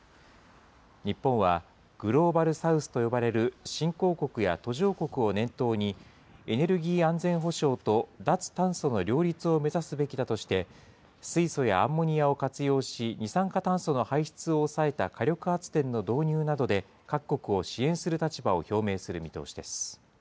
日本は、グローバル・サウスと呼ばれる新興国や途上国を念頭に、エネルギー安全保障と脱炭素の両立を目指すべきだとして、水素やアンモニアを活用し、二酸化炭素の排出を抑えた火力発電の導入などで、各国を支援する立場を表明する見通しです。